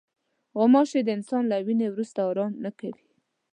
غوماشې د انسان له وینې وروسته آرام نه کوي.